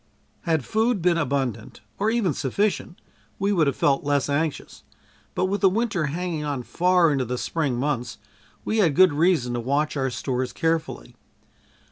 Had food been abundant, or even sufficient, we would have felt less anxious, but with the winter hanging on far into the spring months, we had good reason to watch our stores carefully.